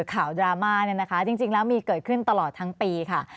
ดราม่าเนี่ยนะคะจริงแล้วมีเกิดขึ้นตลอดทั้งปีค่ะ